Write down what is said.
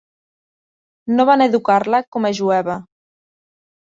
No van educar-la com a jueva.